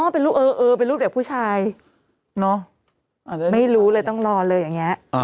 เป็นลูกเออเออเป็นลูกเด็กผู้ชายเนอะไม่รู้เลยต้องรอเลยอย่างนี้